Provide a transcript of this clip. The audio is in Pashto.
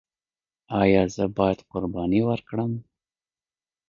ایا زه باید قرباني وکړم؟